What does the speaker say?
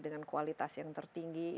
dengan kualitas yang tertinggi